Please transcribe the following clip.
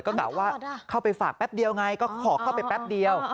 ก็กล่าวว่าเข้าไปฝากแป๊บเดียวไงก็ขอเข้าไปแป๊บเดียว